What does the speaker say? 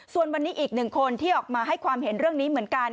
ส่วนวันนี้อีกหนึ่งคนที่ออกมาให้ความเห็นเรื่องนี้เหมือนกัน